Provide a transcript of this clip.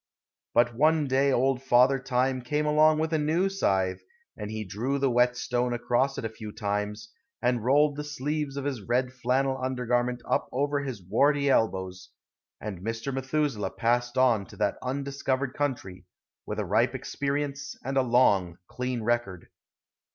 But one day old Father Time came along with a new scythe, and he drew the whetstone across it a few times, and rolled the sleeves of his red flannel undergarment up over his warty elbows, and Mr. Methuselah passed on to that undiscovered country, with a ripe experience and a long clean record.